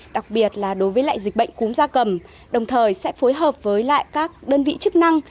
đặc biệt là đối với lại dịch bệnh cúm da cầm đồng thời sẽ phối hợp với lại các đơn vị chức năng